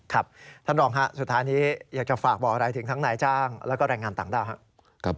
ครับท่านรองฮะสุดท้ายนี้อยากจะฝากบอกอะไรถึงทั้งนายจ้างแล้วก็แรงงานต่างด้าวครับ